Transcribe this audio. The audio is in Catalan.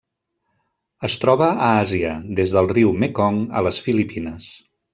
Es troba a Àsia: des del riu Mekong a les Filipines.